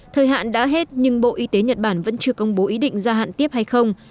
thời hạn đã hết nhưng bộ y tế nhật bản vẫn chưa công bố ý định gia hạn tiếp hay không